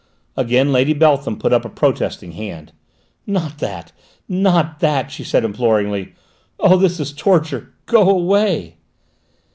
Again Lady Beltham put up a protesting hand. "Not that! Not that!" she said imploringly. "Oh, this is torture; go away!"